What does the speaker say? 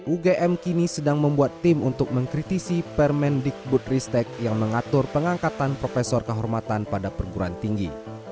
ugm kini sedang membuat tim untuk mengkritisi permendikbud ristek yang mengatur pengangkatan profesor kehormatan pada perguruan tinggi